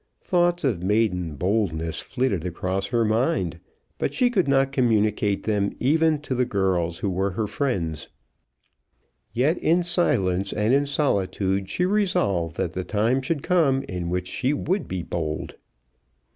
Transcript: Thoughts of maiden boldness flitted across her mind, but she could not communicate them even to the girls who were her friends. Yet in silence and in solitude she resolved that the time should come in which she would be bold.